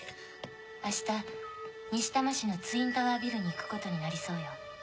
明日西多摩市のツインタワービルに行くことになりそうよ。